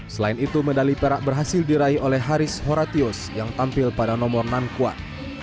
selain itu medali perak berhasil diraih oleh haris horatius yang tampil pada nomor nan kuat